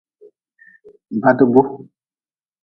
Badgu.